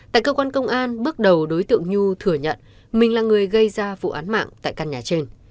tại cơ quan công an bước đầu đối tượng nhu thừa nhận mình là người gây ra vụ án mạng tại căn nhà trên